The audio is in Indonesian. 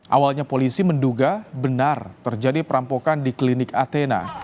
awalnya polisi menduga benar terjadi perampokan di klinik atna